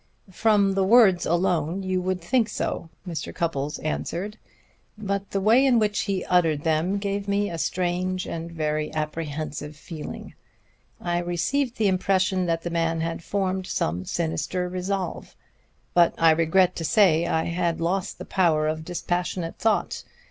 "From the words alone you would think so," Mr. Cupples answered. "But the way in which he uttered them gave me a strange and very apprehensive feeling. I received the impression that the man had formed some sinister resolve. But I regret to say I had lost the power of dispassionate thought.